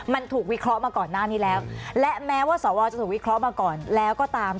มันถูกวิเคราะห์มาก่อนหน้านี้แล้วและแม้ว่าสวจะถูกวิเคราะห์มาก่อนแล้วก็ตาม